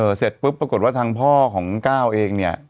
เสร็จปุ๊บปรากฏว่าทางพ่อของก้าวเองเนี่ย